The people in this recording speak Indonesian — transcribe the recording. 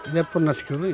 dia pernah sekolah ini